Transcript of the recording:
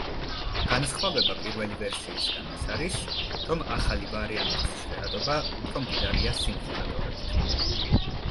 განსხვავება პირველი ვერსიისგან ის არის, რომ ახალი ვარიანტის ჟღერადობა უფრო მდიდარია სინთეზატორებით.